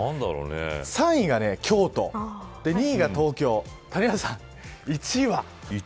３位が京都、２が東京谷原さん１位は。